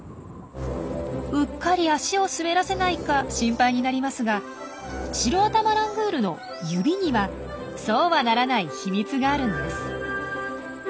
うっかり足を滑らせないか心配になりますがシロアタマラングールの指にはそうはならない秘密があるんです。